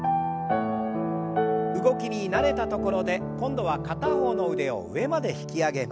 動きに慣れたところで今度は片方の腕を上まで引き上げます。